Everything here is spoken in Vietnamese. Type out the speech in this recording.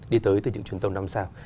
đi tới từ những chuyến tàu năm sao